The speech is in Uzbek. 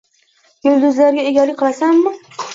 — Yulduzlarga egalik qilasanmi?